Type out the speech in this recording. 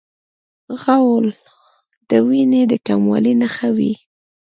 غول د وینې د کموالي نښه وي.